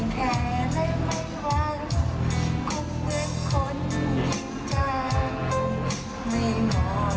ใช่ค่ะมีค่ะ